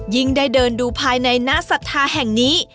ยิ่งได้เดินดูภายในหน้าศรัทธาแห่งนี้